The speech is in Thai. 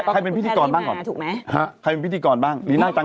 ใครเป็นพิธีกรบ้าง